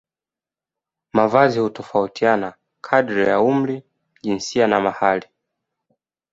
Mavazi hutofautiana kadiri ya umri jinsia na mahali